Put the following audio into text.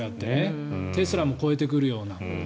テスラも超えてくるような。